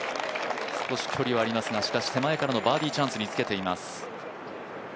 少し距離はありますが手前からのバーディーチャンスにつけています。